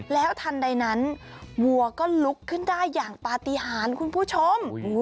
แล้วทันใดนั้นวัวก็ลุกขึ้นได้อย่างปฏิหารคุณผู้ชม